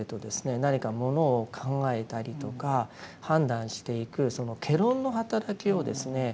何かものを考えたりとか判断していくその戯論の働きをですね